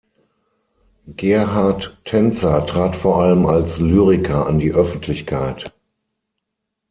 Gerhard Tänzer trat vor allem als Lyriker an die Öffentlichkeit.